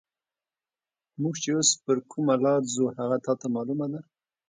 موږ چې اوس پر کومه لار ځو، هغه تا ته معلومه ده؟